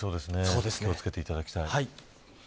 気を付けていただきたい。